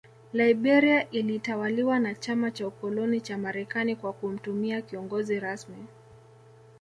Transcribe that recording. Liberia ilitawaliwa na Chama cha Ukoloni cha Marekani kwa kumtumia kiongozi rasmi